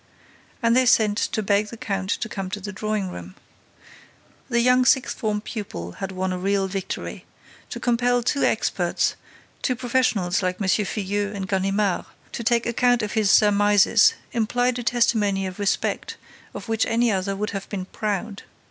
And they sent to beg the count to come to the drawing room. The young sixth form pupil had won a real victory. To compel two experts, two professionals like M. Filleul and Ganimard to take account of his surmises implied a testimony of respect of which any other would have been proud.